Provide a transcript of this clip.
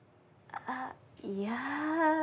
あっいやぁ。